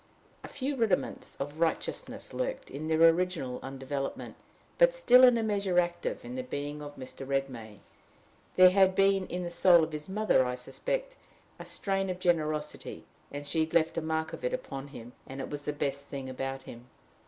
A few rudiments of righteousness lurked, in their original undevelopment, but still in a measure active, in the being of Mr. Redmain: there had been in the soul of his mother, I suspect, a strain of generosity, and she had left a mark of it upon him, and it was the best thing about him.